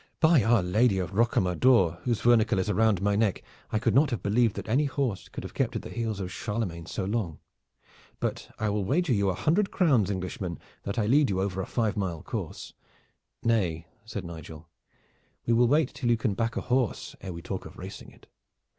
By our Lady of Rocamadour whose vernicle is round my neck! I could not have believed that any horse could have kept at the heels of Charlemagne so long. But I will wager you a hundred crowns, Englishman, that I lead you over a five mile course." "Nay," said Nigel, "we will wait till you can back a horse ere we talk of racing it.